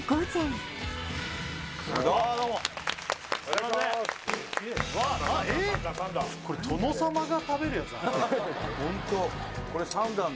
これ殿様が食べるやつだな